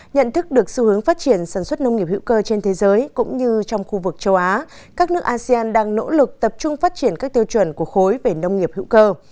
nhận thức được xu hướng phát triển sản xuất nông nghiệp hữu cơ trên thế giới cũng như trong khu vực châu á các nước asean đang nỗ lực tập trung phát triển các tiêu chuẩn của khối về nông nghiệp hữu cơ